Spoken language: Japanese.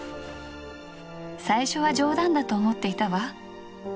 最初は冗談だと思っていたワ。